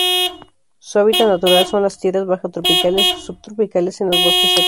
Su hábitat natural son las tierras bajas tropicales o subtropicales en los bosques secos.